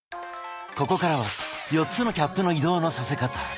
ここからは４つのキャップの移動のさせ方。